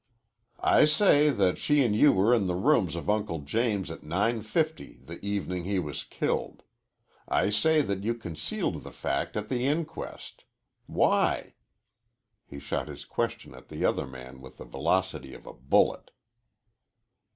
"I say that she and you were in the rooms of Uncle James at 9.50 the evening he was killed. I say that you concealed the fact at the inquest. Why?" He shot his question at the other man with the velocity of a bullet.